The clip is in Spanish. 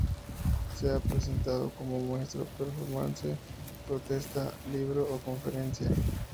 Se ha presentado como muestra, performance, protesta, libro o conferencia.